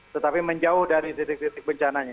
tetapi menjauh dari titik titik bencananya